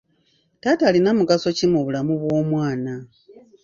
Taata alina mugaso ki mu bulamu bw'omwana?